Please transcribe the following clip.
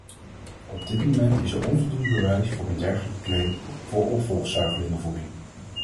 Op dit moment is er onvoldoende bewijs voor een dergelijke claim voor opvolgzuigelingenvoeding.